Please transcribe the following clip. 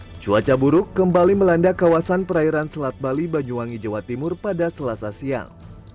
hai cuaca buruk kembali melanda kawasan perairan selat bali banyuwangi jawa timur pada selasa siang